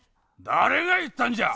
誰が言ったんじゃ！